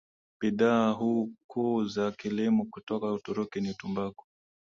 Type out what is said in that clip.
Bidhaa kuu za kilimo kutoka Uturuki ni tumbaku